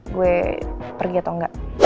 gue pergi atau enggak